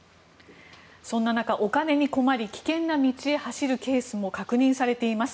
そんな中、お金に困り危険な道へ走るケースも確認されています。